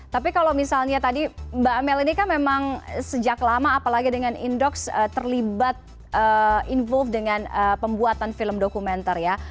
tapi kalau misalnya tadi mbak amel ini kan memang sejak lama apalagi dengan indox terlibat involve dengan pembuatan film dokumenter ya